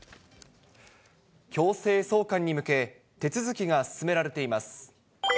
強制送還に向け、手続きが進められています。